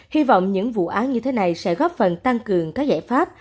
hy vọng những vụ án như thế này sẽ góp phần tăng cường các giải pháp